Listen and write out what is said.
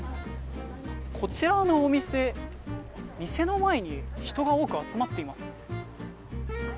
こちらのお店、店の前に人が多く集まっています。